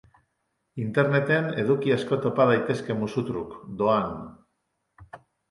Interneten eduki asko topa daitezke musu-truk, doan.